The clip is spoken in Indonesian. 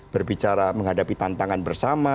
berbicara menghadapi tantangan bersama